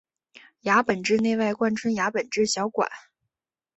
牙本质内外贯穿牙本质小管。